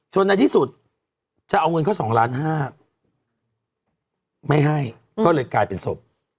ในที่สุดจะเอาเงินเขา๒ล้านห้าไม่ให้ก็เลยกลายเป็นศพ